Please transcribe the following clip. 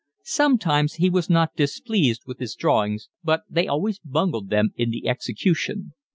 Sometimes he was not displeased with his drawings, but they always bungled them in the execution.